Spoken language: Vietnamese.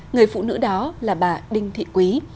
người phụ nữ đó là bà đinh thị quý